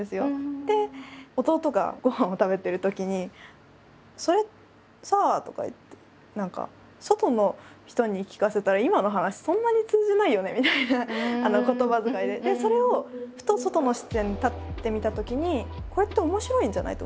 で弟がごはんを食べてるときに「それさあ」とか言って何か「外の人に聞かせたら今の話そんなに通じないよね」みたいな言葉遣いでそれをふと外の視点に立ってみたときに「これって面白いんじゃない？」と思って。